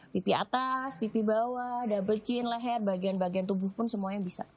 pipi atas pipi bawah double chain leher bagian bagian tubuh pun semuanya bisa